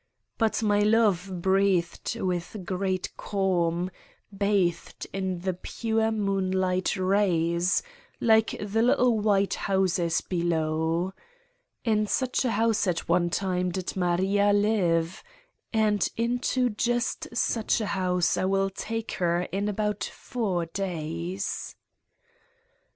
But my love breathed with great calm, bathed in the pure moonlight rays, like the little white houses below. In such a house, at one time, did Maria live, and into just such a house I will take her in about four days.